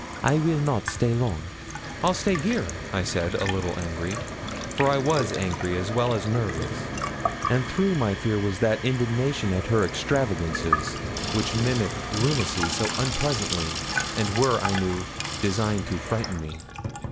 I will not stay long.' 'I'll stay here,' I said, a little angrily for I was angry as well as nervous; and through my fear was that indignation at her extravagances which mimicked lunacy so unpleasantly, and were, I knew, designed to frighten me.